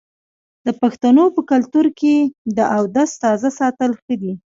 د پښتنو په کلتور کې د اودس تازه ساتل ښه دي.